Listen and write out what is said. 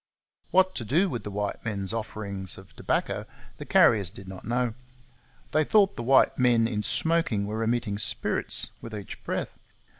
What to do with the white men's offerings of tobacco the Carriers did not know. They thought the white men in smoking were emitting spirits with each breath.